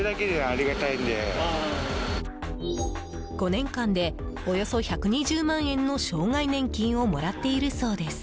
５年間でおよそ１２０万円の障害年金をもらっているそうです。